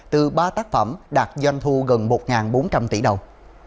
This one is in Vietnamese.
từ ba tác phẩm đạt doanh thu gần một bốn trăm linh tỷ đồng